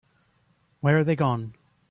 Where are they gone?